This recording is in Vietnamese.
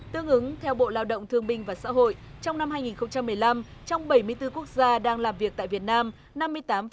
tương ứng theo bộ lao động thương binh và xã hội trong năm hai nghìn một mươi năm trong bảy mươi bốn quốc gia đang làm việc tại việt nam